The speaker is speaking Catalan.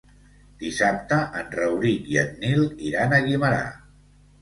Dissabte en Rauric i en Nil iran a Guimerà.